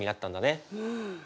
うん。